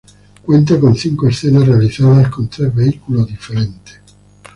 Cuenta con cinco escenas, realizadas con tres vehículos diferentes.